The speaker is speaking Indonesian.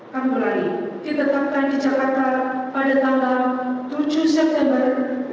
kamu lagi ditetapkan di jakarta pada tanggal tujuh september dua ribu dua puluh dua